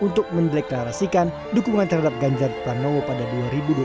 untuk mendeklarasikan dukungan terhadap ganjar pranowo pada dua ribu dua puluh